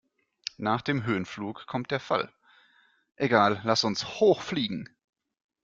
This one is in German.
Nach dem Höhenflug kommt der Fall. Egal, lass uns hoch fliegen!